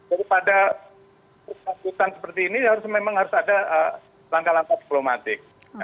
jadi pada kesempatan seperti ini memang harus ada langkah langkah diplomatik